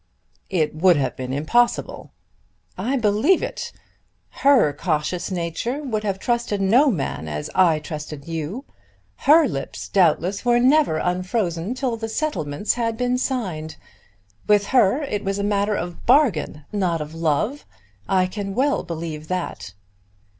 "It would have been impossible." "I believe it. Her cautious nature would have trusted no man as I trusted you. Her lips, doubtless, were never unfrozen till the settlements had been signed. With her it was a matter of bargain, not of love. I can well believe that."